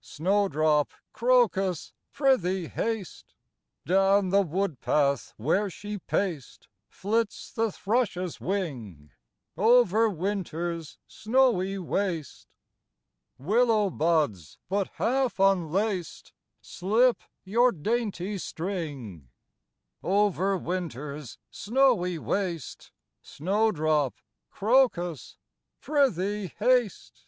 Snowdrop, crocus, prythee haste ! EASTER CAROLS 11 Down the wood path where she paced, Flits the thrush's wing, Over winter's snowy waste. Willow buds, but half unlaced, Slip your dainty string. Over winter's snowy waste, Snowdrop, crocus, prythee haste